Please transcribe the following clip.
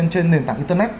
trên nền tảng internet